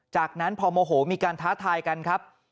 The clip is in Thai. จากนั้นพอโมโหมีการท้าทายกันครับ